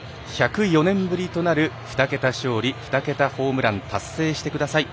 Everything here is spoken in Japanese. １０４年ぶりとなる２桁勝利、２桁ホームラン達成してください。